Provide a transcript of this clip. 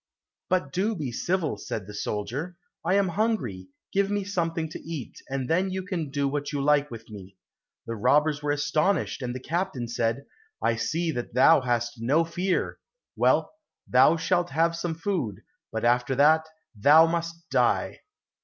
"But do be civil," said the soldier, "I am hungry, give me something to eat, and then you can do what you like with me." The robbers were astonished, and the captain said, "I see that thou hast no fear; well, thou shalt have some food, but after that thou must die."